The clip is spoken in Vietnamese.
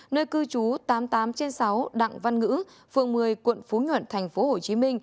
nơi cư trú tám mươi tám trên sáu đặng văn ngữ phường một mươi quận phú nhuận tp hcm